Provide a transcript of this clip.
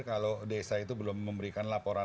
kalau desa itu belum memberikan laporan